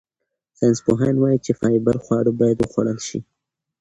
ساینسپوهان وايي چې فایبر خواړه باید وخوړل شي.